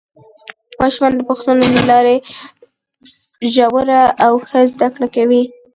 ماشومان د پوښتنو له لارې ژوره او ښه زده کړه کوي